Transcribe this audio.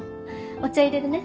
お茶入れるね。